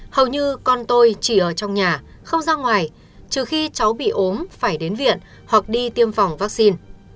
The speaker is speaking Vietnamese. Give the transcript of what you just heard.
hầu như con tôi chỉ ở trong nhà không ra ngoài trừ khi cháu bị ốm phải đến viện hoặc đi tiêm phòng vaccine